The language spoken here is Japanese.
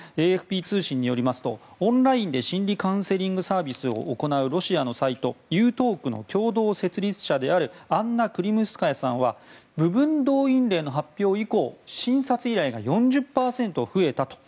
ＡＦＰ通信によりますとオンラインで心理カウンセリングサービスを行うロシアのサイトユートークの共同設立者であるアンナ・クリムスカヤさんは部分動員令の発表以降診察依頼が４０％増えたと。